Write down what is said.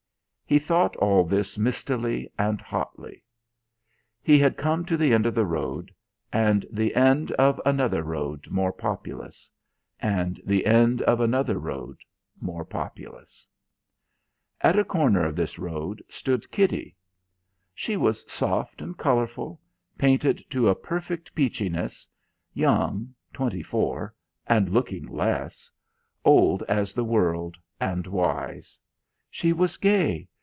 He thought all this mistily and hotly. He had come to the end of the road; and the end of another road more populous; and the end of another road, more populous. At a corner of this road stood Kitty. She was soft and colourful, painted to a perfect peachiness, young twenty four and looking less; old as the world and wise. She was gay.